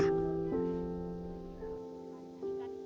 dia tak pernah berhenti